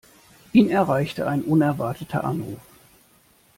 Ihn erreichte ein unerwarteter Anruf.